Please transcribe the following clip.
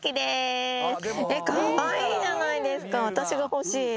えっかわいいじゃないですか私が欲しい！